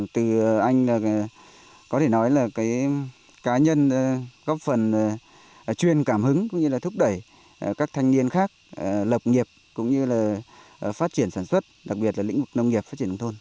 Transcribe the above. từ anh có thể nói là cá nhân góp phần chuyên cảm hứng cũng như là thúc đẩy các thanh niên khác lập nghiệp cũng như là phát triển sản xuất đặc biệt là lĩnh vực nông nghiệp phát triển nông thôn